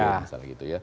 misalnya gitu ya